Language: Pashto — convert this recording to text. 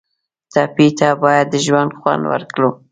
ټپي ته باید د ژوند خوند ورکړو.